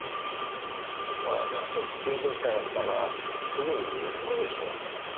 わざと突き落としたんやったらすぐに逃げとるでしょ。